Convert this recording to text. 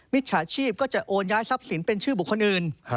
จฉาชีพก็จะโอนย้ายทรัพย์สินเป็นชื่อบุคคลอื่น